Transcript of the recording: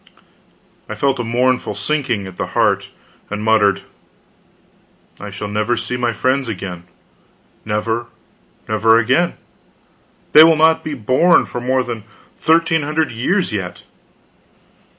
I felt a mournful sinking at the heart, and muttered: "I shall never see my friends again never, never again. They will not be born for more than thirteen hundred years yet."